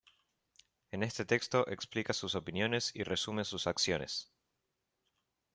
En este texto explica sus opiniones y resume su acciones.